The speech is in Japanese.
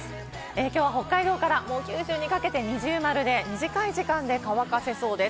きょうは北海道から九州にかけて二重丸で短い時間で乾かせそうです。